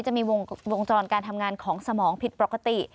จะมีวงจรการทำงานของสมองผิดปกติ